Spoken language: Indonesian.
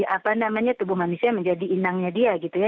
apa namanya tubuh manusia menjadi inangnya dia gitu ya